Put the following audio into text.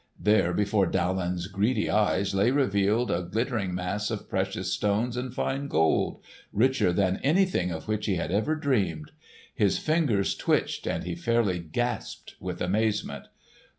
There before Daland's greedy eyes lay revealed a glittering mass of precious stones and fine gold, richer than anything of which he had ever dreamed. His fingers twitched and he fairly gasped with amazement.